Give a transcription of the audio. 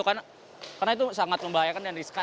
karena itu sangat membahayakan dan riskan